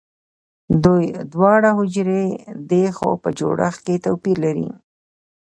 دوی دواړه حجرې دي خو په جوړښت کې توپیر لري